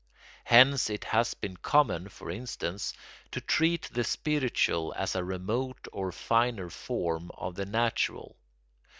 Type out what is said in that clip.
Hence it has been common, for instance, to treat the spiritual as a remote or finer form of the natural.